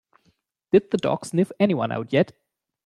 Did the dog sniff anyone out yet?